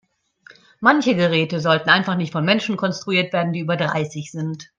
Manche Geräte sollten einfach nicht von Menschen konstruiert werden, die über dreißig sind.